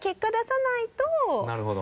なるほど。